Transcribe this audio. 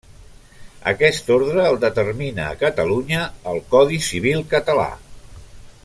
Aquest ordre el determina a Catalunya el Codi Civil Català.